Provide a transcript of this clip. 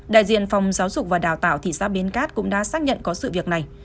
đại diện phòng giáo dục và đào tạo thị xã bến cát cũng đã xác nhận có sự việc này